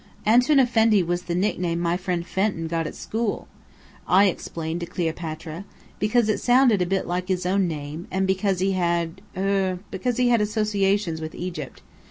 "'Antoun Effendi' was the nickname my friend Fenton got at school," I explained to Cleopatra, "because it sounded a bit like his own name, and because he had er because he had associations with Egypt.